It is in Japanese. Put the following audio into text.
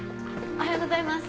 おはようございます。